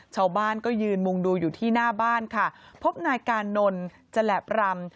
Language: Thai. ชาวบ้านก็ยืนมุงดูอยู่ที่หน้าบ้านค่ะพบนายกานนท์แจลบรำ